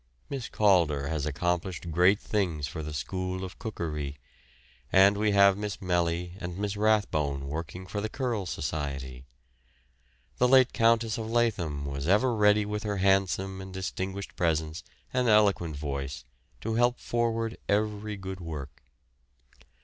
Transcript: Miss Calder has accomplished great things for the school of cookery, and we have Miss Melly and Miss Rathbone working for the Kyrle Society. The late Countess of Lathom was ever ready with her handsome and distinguished presence and eloquent voice to help forward every good work.